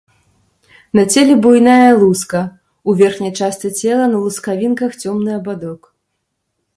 На целе буйная луска, у верхняй частцы цела на лускавінках цёмны абадок.